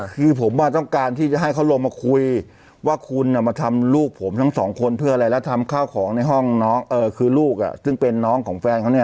คือผมต้องการที่จะให้เขาลงมาคุยว่าคุณมาทำลูกผมทั้งสองคนเพื่ออะไรแล้วทำข้าวของในห้องน้องคือลูกซึ่งเป็นน้องของแฟนเขาเนี่ย